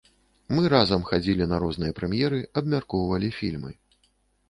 Мы разам хадзілі на розныя прэм'еры, абмяркоўвалі фільмы.